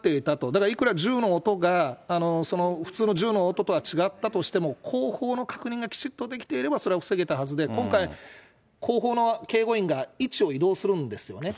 だからいくら銃の音が、その普通の銃の音とは違ったとしても、後方の確認がきちっとできていればそれは防げたはずで、今回、後方の警護員が位置を移動するんですよね。